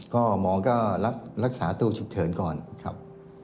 ก็หมอก็รักษาตัวฉุกเฉินก่อนครับ